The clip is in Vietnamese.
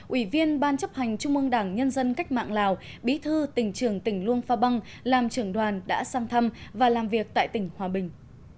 ủy viên ban chấp hành trung mương đảng nhân dân cách mạng lào bí thư tỉnh trường tỉnh luông pha băng làm trưởng đoàn đã sang thăm và làm việc tại tỉnh hòa bình